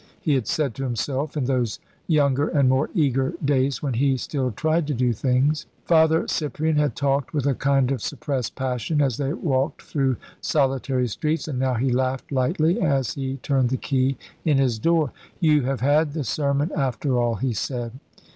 he had said to himself in those younger and more eager days when he still tried to do things. Father Cyprian had talked with a kind of suppressed passion as they walked through solitary streets, and now he laughed lightly, as he turned the key in his door. "You have had the sermon after all," he said.